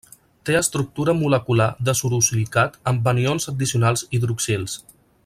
Té estructura molecular de sorosilicat amb anions addicionals hidroxils.